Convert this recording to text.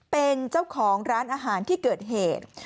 เป็นเจ้าของร้านอาหารที่เกิดเหตุ